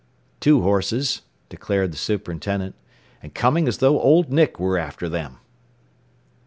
"Two horses," declared the superintendent. "And coming as though Old Nick were after them."